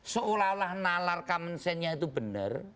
seolah olah nalar kamensennya itu benar